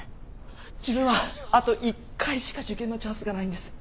自分はあと１回しか受験のチャンスがないんです。